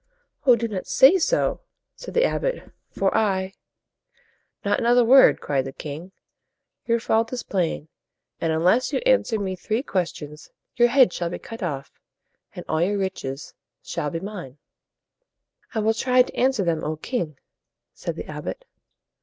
"Oh, do not say so!" said the abbot "For I" "Not another word!" cried the king. "Your fault is plain, and unless you can answer me three questions, your head shall be cut off, and all your riches shall be mine." "I will try to answer them, O king!" said the abbot.